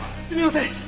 すみません！